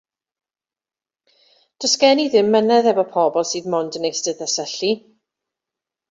Does gen i ddim 'mynadd efo pobol sydd 'mond yn eistedd a syllu.